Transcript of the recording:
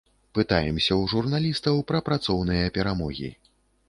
Пытаемся ў журналістаў пра працоўныя перамогі.